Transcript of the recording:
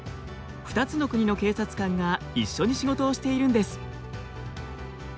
２つの国の警察官が一緒に仕事をしているんです。